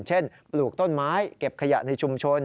ปลูกต้นไม้เก็บขยะในชุมชน